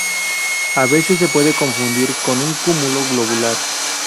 A veces se puede confundir con un cúmulo globular.